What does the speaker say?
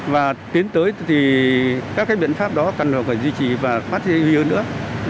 và tiến tới thì các biện pháp đó cần phải duy trì và phát triển như thế nữa